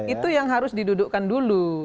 itu yang harus didudukkan dulu